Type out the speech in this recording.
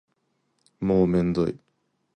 もうめんどい